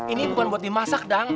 ini bukan buat dimasak dong